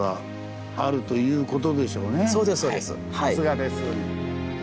さすがです。